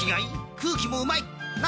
空気もうまい。な？